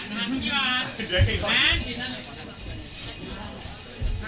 สนุกท้อนรัก